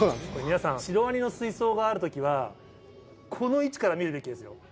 皆さん、シロワニの水槽があるときは、この位置から見るべきですよ。